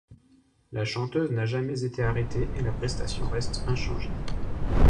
La chanteuse n'a jamais été arrêtée et la prestation reste inchangée.